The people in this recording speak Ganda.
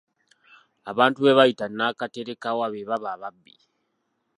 Abantu be bayita nakaterekawa be baba ababbi.